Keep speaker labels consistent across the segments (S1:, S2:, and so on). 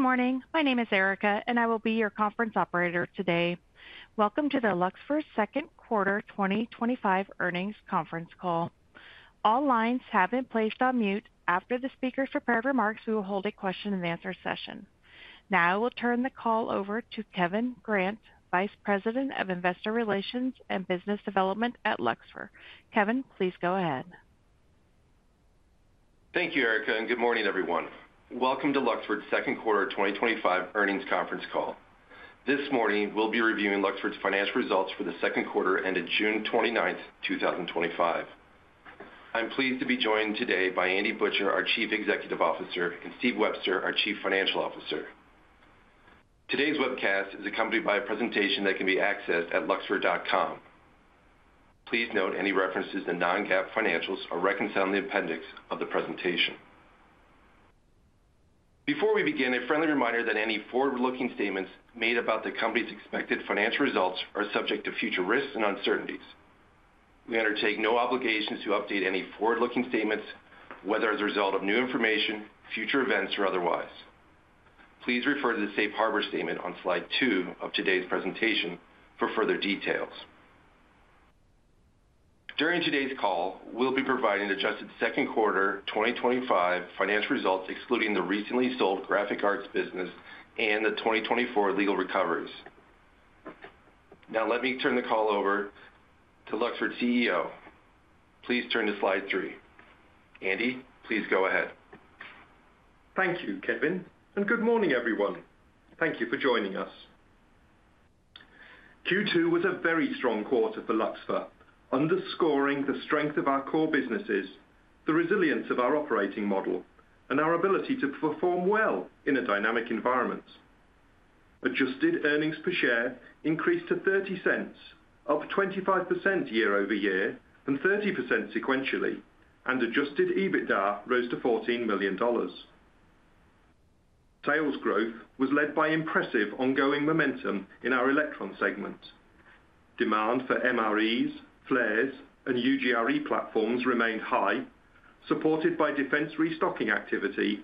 S1: Good morning. My name is Erica, and I will be your conference operator today. Welcome to the Luxfer's second quarter 2025 earnings conference call. All lines have been placed on mute. After the speakers prepare remarks, we will hold a question and answer session. Now I will turn the call over to Kevin Grant, Vice President of Investor Relations and Business Development at Luxfer. Kevin, please go ahead.
S2: Thank you, Erica, and good morning, everyone. Welcome to Luxfer's second quarter 2025 earnings conference call. This morning, we'll be reviewing Luxfer's financial results for the second quarter ended June 29, 2025. I'm pleased to be joined today by Andy Butcher, our Chief Executive Officer, and Steve Webster, our Chief Financial Officer. Today's webcast is accompanied by a presentation that can be accessed at luxfer.com. Please note any references to non-GAAP financials are reconciled in the appendix of the presentation. Before we begin, a friendly reminder that any forward-looking statements made about the company's expected financial results are subject to future risks and uncertainties. We undertake no obligations to update any forward-looking statements, whether as a result of new information, future events, or otherwise. Please refer to the Safe Harbor statement on slide two of today's presentation for further details. During today's call, we'll be providing the adjusted second quarter 2025 financial results, excluding the recently sold graphic arts business and the 2024 legal recoveries. Now, let me turn the call over to Luxfer's CEO. Please turn to slide three. Andy, please go ahead.
S3: Thank you, Kevin, and good morning, everyone. Thank you for joining us. Q2 was a very strong quarter for Luxfer, underscoring the strength of our core businesses, the resilience of our operating model, and our ability to perform well in a dynamic environment. Adjusted earnings per share increased to $0.30, up 25% year-over-year and 30% sequentially, and adjusted EBITDA rose to $14 million. Sales growth was led by impressive ongoing momentum in our electron segment. Demand for MREs, FLIRs, and UGRE platforms remained high, supported by defense restocking activity,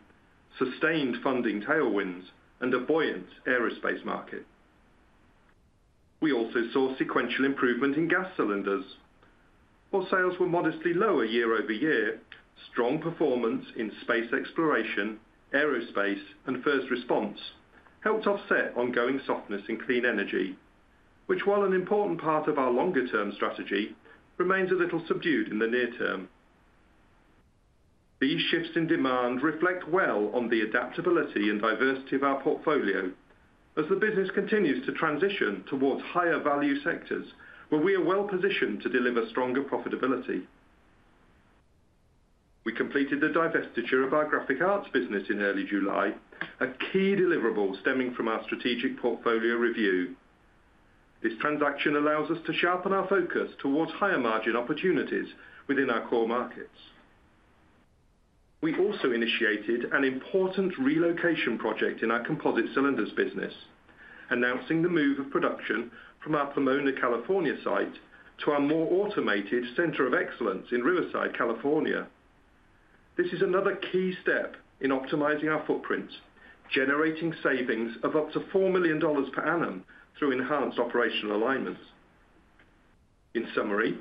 S3: sustained funding tailwinds, and a buoyant aerospace market. We also saw sequential improvement in high-pressure gas cylinders. While sales were modestly lower year-over-year, strong performance in space exploration, aerospace, and first response helped offset ongoing softness in clean energy, which, while an important part of our longer-term strategy, remains a little subdued in the near term. These shifts in demand reflect well on the adaptability and diversity of our portfolio, as the business continues to transition towards higher value sectors, where we are well positioned to deliver stronger profitability. We completed the divestiture of our graphic arts business in early July, a key deliverable stemming from our strategic portfolio review. This transaction allows us to sharpen our focus towards higher margin opportunities within our core markets. We also initiated an important relocation project in our composite cylinder business, announcing the move of production from our Pomona, California, site to our more automated center of excellence in Riverside, California. This is another key step in optimizing our footprint, generating savings of up to $4 million per annum through enhanced operational alignment. In summary,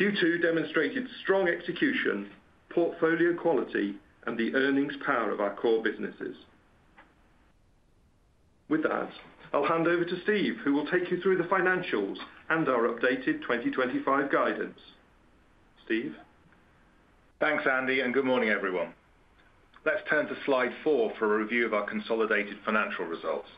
S3: Q2 demonstrated strong execution, portfolio quality, and the earnings power of our core businesses. With that, I'll hand over to Steve, who will take you through the financials and our updated 2025 guidance. Steve.
S4: Thanks, Andy, and good morning, everyone. Let's turn to slide four for a review of our consolidated financial results.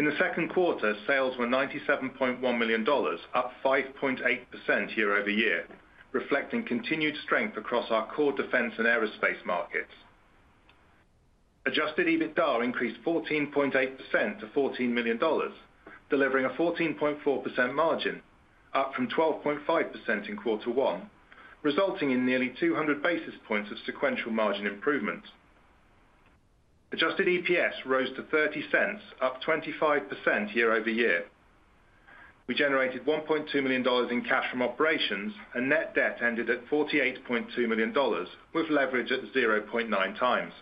S4: In the second quarter, sales were $97.1 million, up 5.8% year-over-year, reflecting continued strength across our core defense and aerospace markets. Adjusted EBITDA increased 14.8% to $14 million, delivering a 14.4% margin, up from 12.5% in quarter one, resulting in nearly 200 basis points of sequential margin improvement. Adjusted EPS rose to $0.30, up 25% year-over-year. We generated $1.2 million in cash from operations, and net debt ended at $48.2 million with leverage at 0.9 times.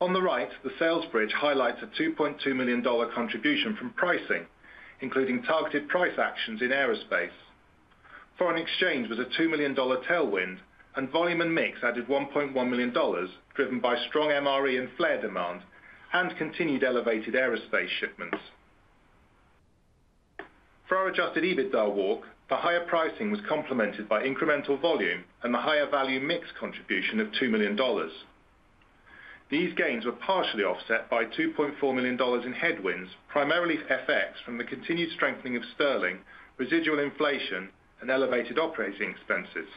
S4: On the right, the sales bridge highlights a $2.2 million contribution from pricing, including targeted price actions in aerospace. Foreign exchange was a $2 million tailwind, and volume and mix added $1.1 million, driven by strong MRE and FLIR demand and continued elevated aerospace shipments. For our adjusted EBITDA walk, the higher pricing was complemented by incremental volume and the higher value mix contribution of $2 million. These gains were partially offset by $2.4 million in headwinds, primarily FX from the continued strengthening of sterling, residual inflation, and elevated operating expenses.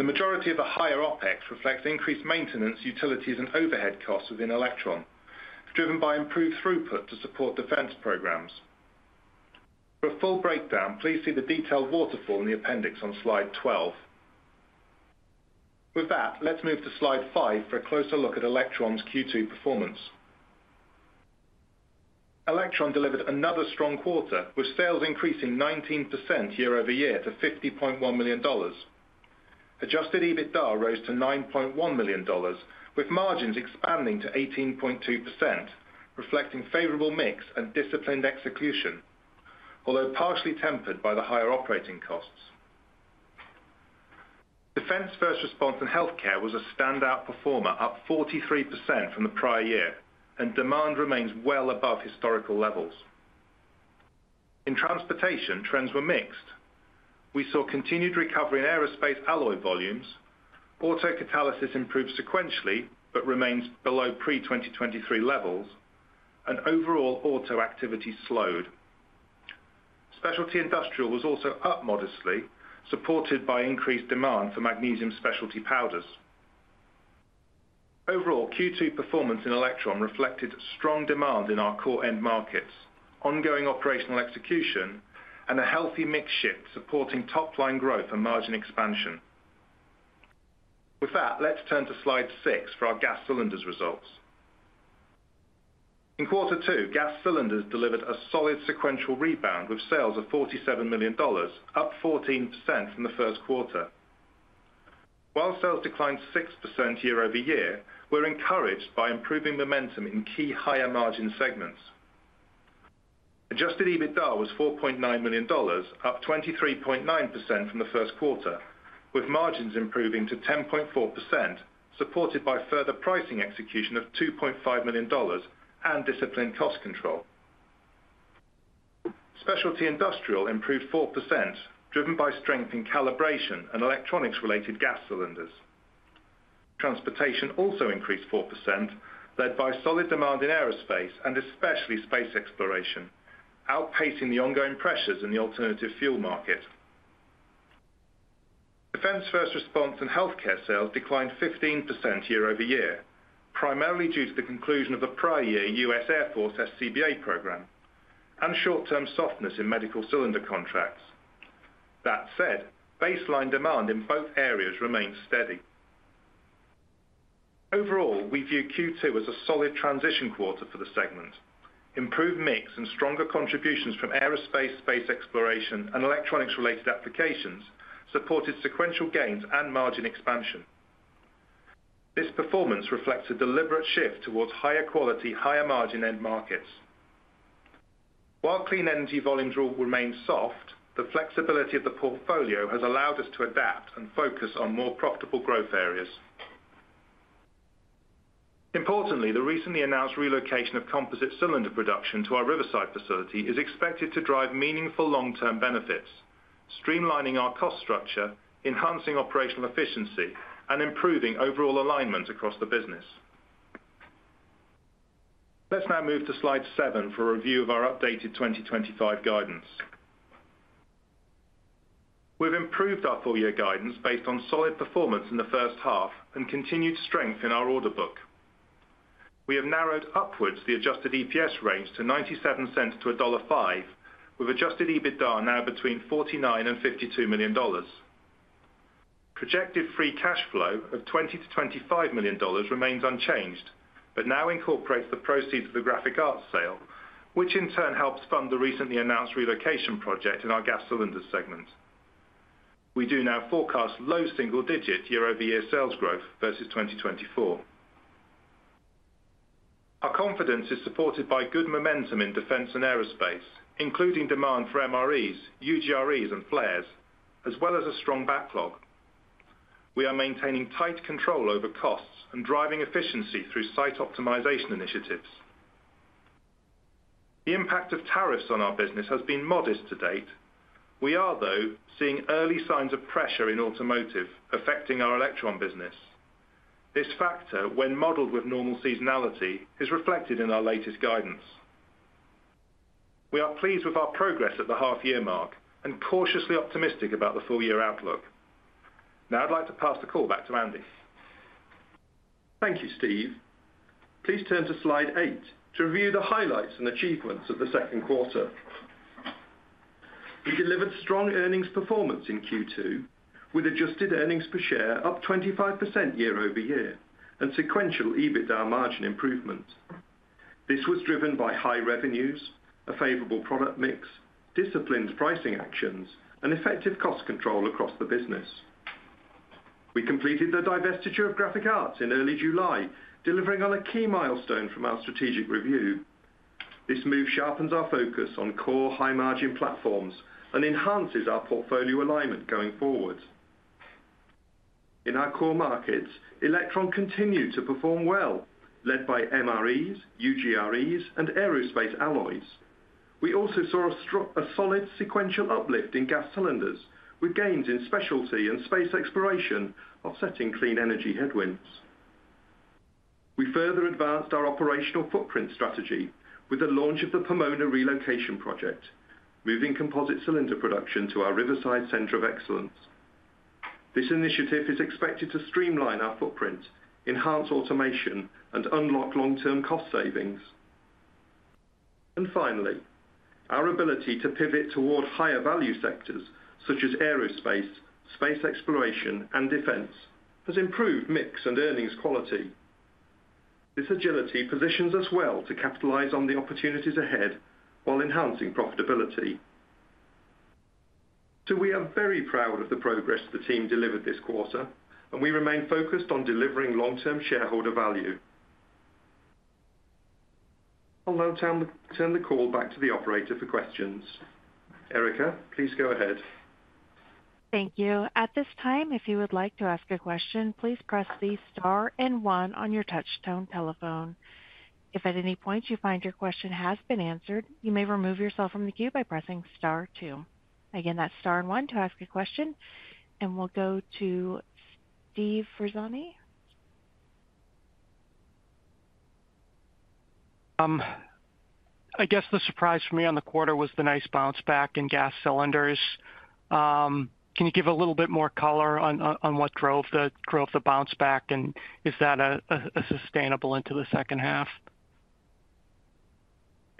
S4: The majority of the higher OPEX reflects increased maintenance, utilities, and overhead costs within Electron, driven by improved throughput to support defense programs. For a full breakdown, please see the detailed waterfall in the appendix on slide 12. With that, let's move to slide five for a closer look at Electron's Q2 performance. Electron delivered another strong quarter, with sales increasing 19% year-over-year to $50.1 million. Adjusted EBITDA rose to $9.1 million, with margins expanding to 18.2%, reflecting favorable mix and disciplined execution, although partially tempered by the higher operating costs. Defense, first response, and healthcare was a standout performer, up 43% from the prior year, and demand remains well above historical levels. In transportation, trends were mixed. We saw continued recovery in aerospace alloy volumes, autocatalysis improved sequentially but remains below pre-2023 levels, and overall auto activity slowed. Specialty industrial was also up modestly, supported by increased demand for magnesium specialty powders. Overall, Q2 performance in Electron reflected strong demand in our core end markets, ongoing operational execution, and a healthy mix shift supporting top-line growth and margin expansion. With that, let's turn to slide six for our gas cylinders results. In quarter two, gas cylinders delivered a solid sequential rebound with sales of $47 million, up 14% from the first quarter. While sales declined 6% year-over-year, we're encouraged by improving momentum in key higher margin segments. Adjusted EBITDA was $4.9 million, up 23.9% from the first quarter, with margins improving to 10.4%, supported by further pricing execution of $2.5 million and disciplined cost control. Specialty industrial improved 4%, driven by strength in calibration and electronics-related gas cylinders. Transportation also increased 4%, led by solid demand in aerospace and especially space exploration, outpacing the ongoing pressures in the alternative fuel market. Defense, first response, and healthcare sales declined 15% year-over-year, primarily due to the conclusion of the prior year U.S. Air Force SCBA program and short-term softness in medical cylinder contracts. That said, baseline demand in both areas remains steady. Overall, we view Q2 as a solid transition quarter for the segment. Improved mix and stronger contributions from aerospace, space exploration, and electronics-related applications supported sequential gains and margin expansion. This performance reflects a deliberate shift towards higher quality, higher margin end markets. While clean energy volumes will remain soft, the flexibility of the portfolio has allowed us to adapt and focus on more profitable growth areas. Importantly, the recently announced relocation of composite cylinder production to our Riverside facility is expected to drive meaningful long-term benefits, streamlining our cost structure, enhancing operational efficiency, and improving overall alignment across the business. Let's now move to slide seven for a review of our updated 2025 guidance. We've improved our full-year guidance based on solid performance in the first half and continued strength in our order book. We have narrowed upwards the adjusted EPS range to $0.97 to $1.05, with adjusted EBITDA now between $49 million and $52 million. Projected free cash flow of $20 million to $25 million remains unchanged, but now incorporates the proceeds of the graphic arts sale, which in turn helps fund the recently announced relocation project in our gas cylinder segment. We do now forecast low single-digit year-over-year sales growth versus 2024. Our confidence is supported by good momentum in defense and aerospace, including demand for MREs, UGREs, and FLIRs, as well as a strong backlog. We are maintaining tight control over costs and driving efficiency through site optimization initiatives. The impact of tariffs on our business has been modest to date. We are, though, seeing early signs of pressure in automotive affecting our Electron business. This factor, when modeled with normal seasonality, is reflected in our latest guidance. We are pleased with our progress at the half-year mark and cautiously optimistic about the full-year outlook. Now I'd like to pass the call back to Andy.
S3: Thank you, Steve. Please turn to slide eight to review the highlights and achievements of the second quarter. We delivered strong earnings performance in Q2, with adjusted earnings per share up 25% year-over-year and sequential EBITDA margin improvement. This was driven by high revenues, a favorable product mix, disciplined pricing actions, and effective cost control across the business. We completed the divestiture of graphic arts in early July, delivering on a key milestone from our strategic review. This move sharpens our focus on core high-margin platforms and enhances our portfolio alignment going forward. In our core markets, Electron continued to perform well, led by MREs, UGREs, and aerospace alloys. We also saw a solid sequential uplift in gas cylinders, with gains in specialty and space exploration offsetting clean energy headwinds. We further advanced our operational footprint strategy with the launch of the Pomona relocation project, moving composite cylinder production to our Riverside center of excellence. This initiative is expected to streamline our footprint, enhance automation, and unlock long-term cost savings. Our ability to pivot toward higher value sectors such as aerospace, space exploration, and defense has improved mix and earnings quality. This agility positions us well to capitalize on the opportunities ahead while enhancing profitability. We are very proud of the progress the team delivered this quarter, and we remain focused on delivering long-term shareholder value. I'll now turn the call back to the operator for questions. Erica, please go ahead.
S1: Thank you. At this time, if you would like to ask a question, please press the star and one on your touch-tone telephone. If at any point you find your question has been answered, you may remove yourself from the queue by pressing star two. Again, that's star and one to ask a question. We will go to Steve Ferazani.
S5: I guess the surprise for me on the quarter was the nice bounce back in gas cylinders. Can you give a little bit more color on what drove the bounce back, and is that sustainable into the second half?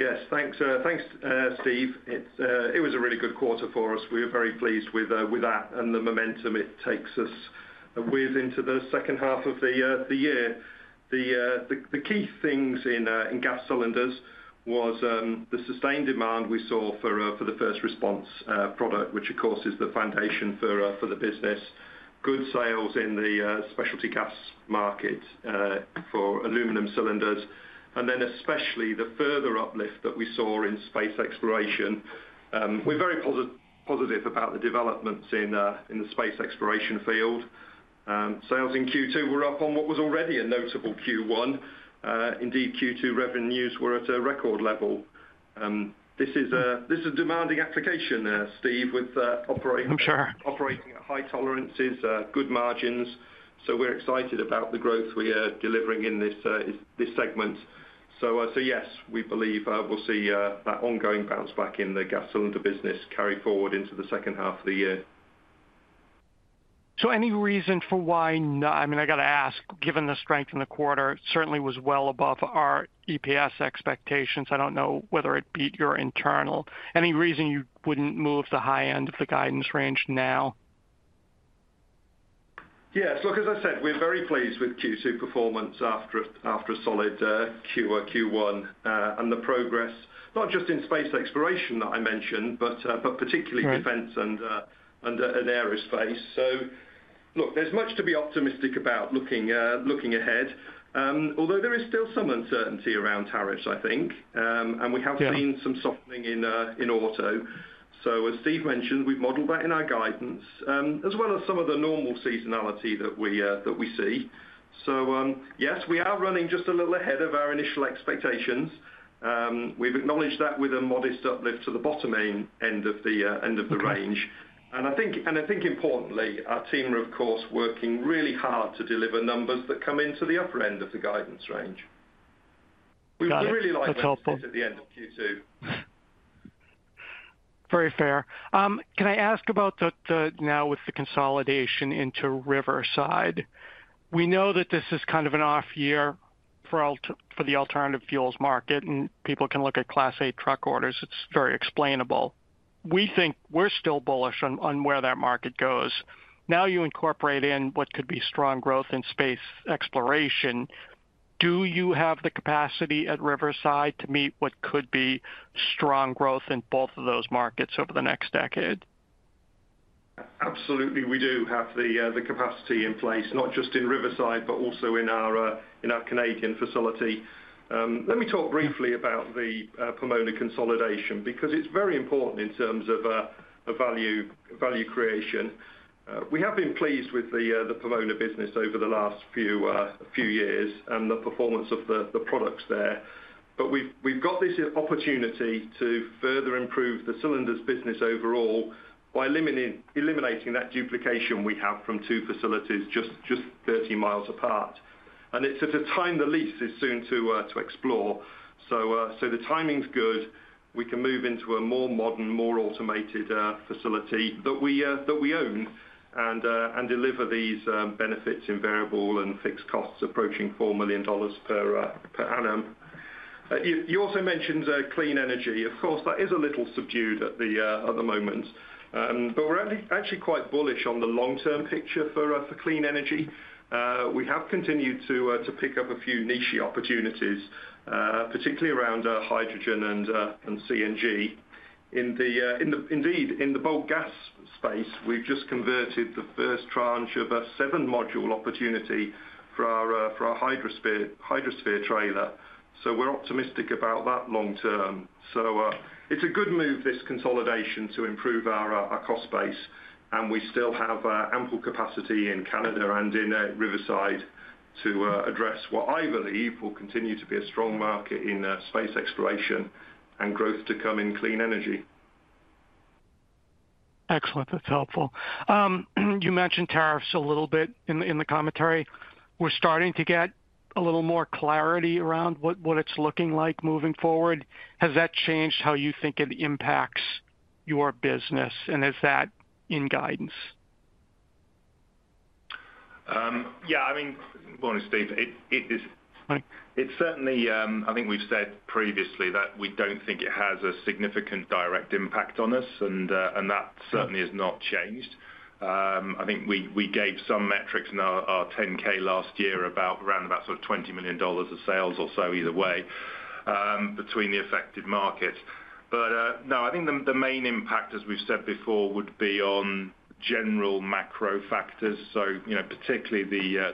S3: Yes, thanks, Steve. It was a really good quarter for us. We were very pleased with that and the momentum it takes us with into the second half of the year. The key things in gas cylinders were the sustained demand we saw for the first response product, which, of course, is the foundation for the business, good sales in the specialty gas market for aluminum cylinders, and then especially the further uplift that we saw in space exploration. We're very positive about the developments in the space exploration field. Sales in Q2 were up on what was already a notable Q1. Indeed, Q2 revenues were at a record level. This is a demanding application, Steve, with operating at high tolerances, good margins. We're excited about the growth we are delivering in this segment. Yes, we believe we'll see that ongoing bounce back in the gas cylinder business carry forward into the second half of the year.
S5: there any reason for why not? I mean, I got to ask, given the strength in the quarter, it certainly was well above our EPS expectations. I don't know whether it beat your internal. Any reason you wouldn't move the high end of the guidance range now?
S3: Yeah, as I said, we're very pleased with Q2 performance after a solid Q1 and the progress, not just in space exploration that I mentioned, but particularly defense and aerospace. There is much to be optimistic about looking ahead, although there is still some uncertainty around tariffs, I think. We have seen some softening in auto. As Steve mentioned, we've modeled that in our guidance, as well as some of the normal seasonality that we see. Yes, we are running just a little ahead of our initial expectations. We've acknowledged that with a modest uplift to the bottom end of the range. Importantly, our team are, of course, working really hard to deliver numbers that come into the upper end of the guidance range. We would really like to see it at the end of Q2.
S5: Very fair. Can I ask about the now with the consolidation into Riverside? We know that this is kind of an off year for the alternative fuels market, and people can look at Class A truck orders. It's very explainable. We think we're still bullish on where that market goes. Now you incorporate in what could be strong growth in space exploration. Do you have the capacity at Riverside to meet what could be strong growth in both of those markets over the next decade?
S3: Absolutely, we do have the capacity in place, not just in Riverside, but also in our Canadian facility. Let me talk briefly about the Pomona consolidation because it's very important in terms of value creation. We have been pleased with the Pomona business over the last few years and the performance of the products there. We've got this opportunity to further improve the cylinders' business overall by eliminating that duplication we have from two facilities just 30 miles apart. It's at a time the lease is soon to expire, so the timing's good. We can move into a more modern, more automated facility that we own and deliver these benefits in variable and fixed costs approaching $4 million per annum. You also mentioned clean energy. Of course, that is a little subdued at the moment. We're actually quite bullish on the long-term picture for clean energy. We have continued to pick up a few niche opportunities, particularly around hydrogen and CNG. Indeed, in the bulk gas space, we've just converted the first tranche of a seven-module opportunity for our Hydrosphere trailer. We're optimistic about that long term. It's a good move, this consolidation, to improve our cost base. We still have ample capacity in Canada and in Riverside to address what I believe will continue to be a strong market in space exploration and growth to come in clean energy.
S5: Excellent. That's helpful. You mentioned tariffs a little bit in the commentary. We're starting to get a little more clarity around what it's looking like moving forward. Has that changed how you think it impacts your business, and is that in guidance?
S3: Yeah, I mean, I'm honest, Steve, it's certainly, I think we've said previously that we don't think it has a significant direct impact on us, and that certainly has not changed. I think we gave some metrics in our 10K last year around about $20 million of sales or so either way between the affected markets. No, I think the main impact, as we've said before, would be on general macro factors. You know, particularly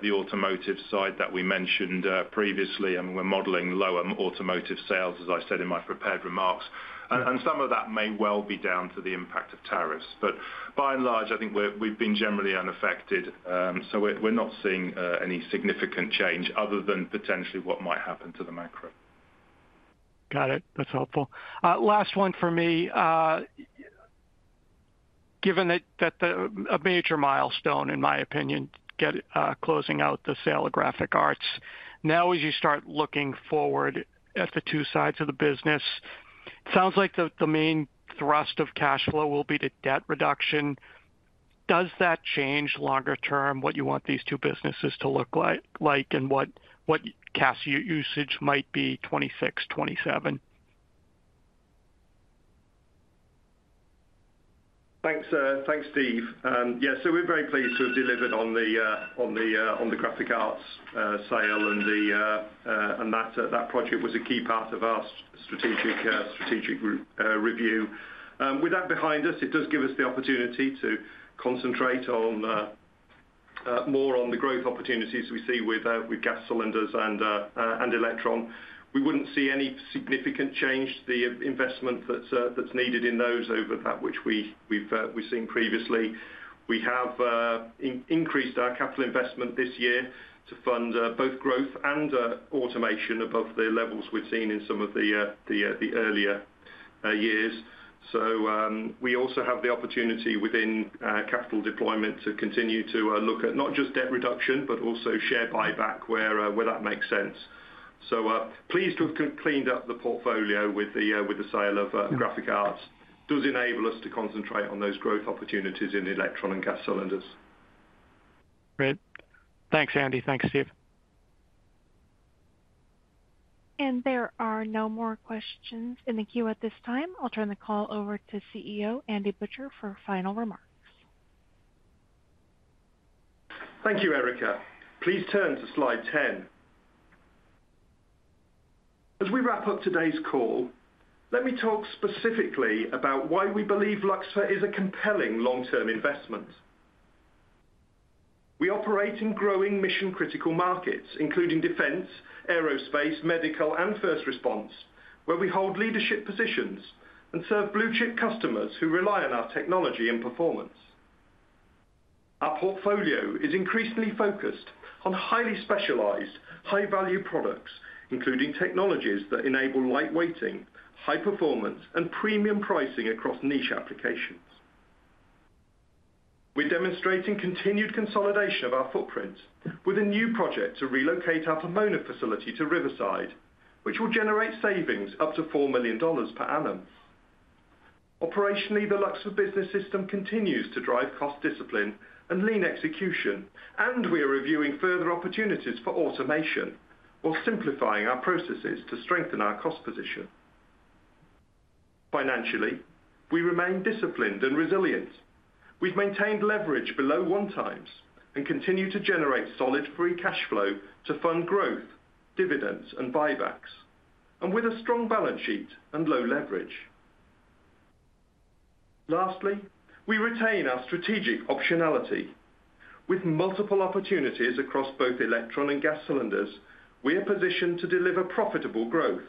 S3: the automotive side that we mentioned previously. I mean, we're modeling lower automotive sales, as I said in my prepared remarks. Some of that may well be down to the impact of tariffs. By and large, I think we've been generally unaffected. We're not seeing any significant change other than potentially what might happen to the macro.
S5: Got it. That's helpful. Last one for me. Given that a major milestone, in my opinion, closing out the sale of graphic arts, now as you start looking forward at the two sides of the business, it sounds like the main thrust of cash flow will be the debt reduction. Does that change longer term what you want these two businesses to look like and what cash usage might be 2026, 2027?
S3: Thanks, Steve. Yeah, we're very pleased to have delivered on the graphic arts sale, and that project was a key part of our strategic review. With that behind us, it does give us the opportunity to concentrate more on the growth opportunities we see with gas cylinders and Electron. We wouldn't see any significant change to the investment that's needed in those over that which we've seen previously. We have increased our capital investment this year to fund both growth and automation above the levels we've seen in some of the earlier years. We also have the opportunity within capital deployment to continue to look at not just debt reduction, but also share buyback where that makes sense. Pleased to have cleaned up the portfolio with the sale of graphic arts. It does enable us to concentrate on those growth opportunities in Electron and gas cylinders.
S5: Great. Thanks, Andy. Thanks, Steve.
S1: There are no more questions in the queue at this time. I'll turn the call over to CEO Andy Butcher for final remarks.
S3: Thank you, Erica. Please turn to slide 10. As we wrap up today's call, let me talk specifically about why we believe Luxfer is a compelling long-term investment. We operate in growing mission-critical markets, including defense, aerospace, medical, and first response, where we hold leadership positions and serve blue-chip customers who rely on our technology and performance. Our portfolio is increasingly focused on highly specialized, high-value products, including technologies that enable lightweighting, high performance, and premium pricing across niche applications. We're demonstrating continued consolidation of our footprint with a new project to relocate our Pomona facility to Riverside, which will generate savings up to $4 million per annum. Operationally, the Luxfer business system continues to drive cost discipline and lean execution, and we are reviewing further opportunities for automation while simplifying our processes to strengthen our cost position. Financially, we remain disciplined and resilient. We've maintained leverage below one times and continue to generate solid free cash flow to fund growth, dividends, and buybacks, and with a strong balance sheet and low leverage. Lastly, we retain our strategic optionality. With multiple opportunities across both Electron and gas cylinders, we are positioned to deliver profitable growth,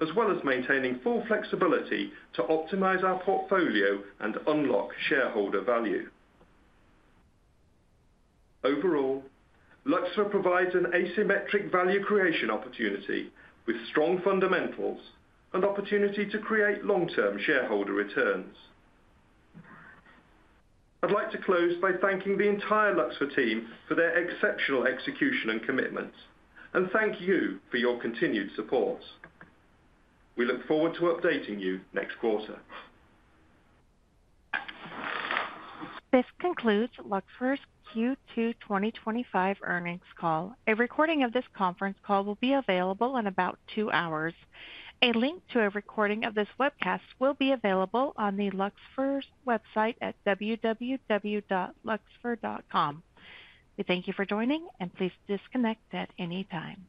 S3: as well as maintaining full flexibility to optimize our portfolio and unlock shareholder value. Overall, Luxfer provides an asymmetric value creation opportunity with strong fundamentals and opportunity to create long-term shareholder returns. I'd like to close by thanking the entire Luxfer team for their exceptional execution and commitment, and thank you for your continued support. We look forward to updating you next quarter.
S1: This concludes Luxfer's Q2 2025 Earnings Call. A recording of this conference call will be available in about two hours. A link to a recording of this webcast will be available on Luxfer's website at www.luxfer.com. We thank you for joining, and please disconnect at any time.